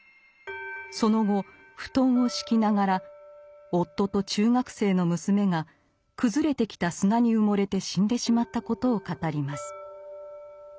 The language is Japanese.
その後布団を敷きながら夫と中学生の娘が崩れてきた砂に埋もれて死んでしまったことを語ります。